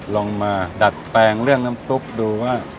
ลองมาดัดแปลงเรื่องน้ำซุปดูว่า